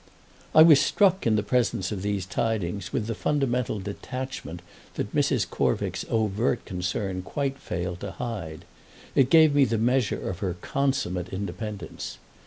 I was struck in the presence of these tidings with the fundamental detachment that Mrs. Corvick's overt concern quite failed to hide: it gave me the measure of her consummate independence.